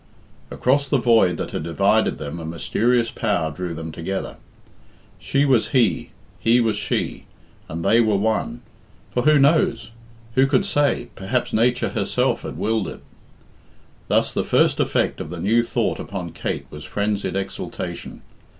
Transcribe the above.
Across the void that had divided them a mysterious power drew them together. She was he, and he was she, and they were one, for who knows? who could say? perhaps Nature herself had willed it. Thus the first effect of the new thought upon Kate was frenzied exultation.